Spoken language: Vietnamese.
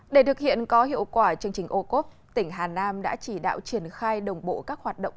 để thực hiện có hiệu quả chương trình ô cốp tỉnh hà nam đã chỉ đạo triển khai đồng bộ các hoạt động